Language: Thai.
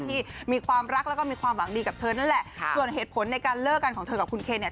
ที่มีความรักแล้วก็มีความหวังดีกับเธอนั่นแหละส่วนเหตุผลในการเลิกกันของเธอกับคุณเคนเนี่ย